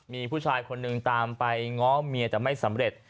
มีผู้ชายคนหนึ่งตามไปง้อเมียแต่ไม่สำเร็จ